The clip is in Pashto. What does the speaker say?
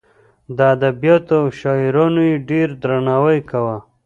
د ادبیاتو او شاعرانو یې ډېر درناوی کاوه.